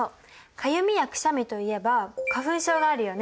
かゆみやくしゃみといえば花粉症があるよね。